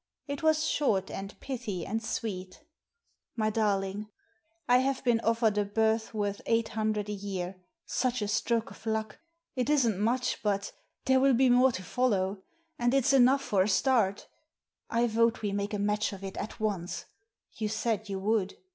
It was short, and pithy, and sweet :— "My Darling, — I have been offered a berth worth eight hundred a year — such a stroke of luck! It isnt much, but therell be more to follow ; and it's enough for a start I vote we make a match of it at once — ^you said you would.